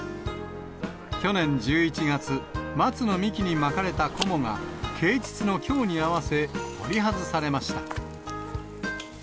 去年１１月、松の幹に巻かれたこもが、啓ちつのきょうに合わせ、取り外されました。